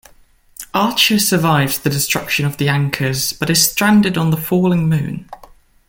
Archer survives the destruction of the anchors, but is stranded on the falling moon.